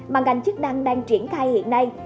mà ngành chức năng đang triển khai hiện nay